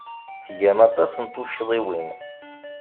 Tgam aṭas n tuccḍiwin.